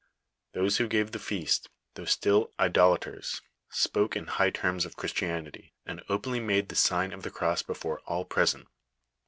TIiobo who gave the feRst, thoii^'h still idolnters, Bpoke in high terms of Cliriatinnity, and openly made the sign of the cross before all present.